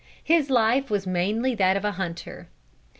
His life was mainly that of a hunter.